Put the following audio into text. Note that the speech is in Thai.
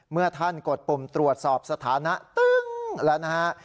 เมื่อท่านกดปุ่มตรวจสอบสถานะตึ้งแล้วนะฮะ